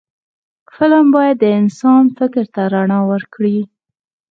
فلم باید د انسان فکر ته رڼا ورکړي